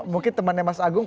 mungkin temannya mas agung